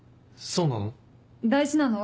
そうなの？